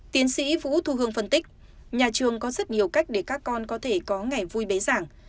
tiến sĩ vũ thu hương phân tích nhà trường có rất nhiều cách để các con có thể có ngày vui bế giảng